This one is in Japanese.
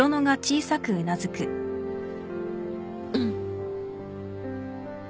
うん。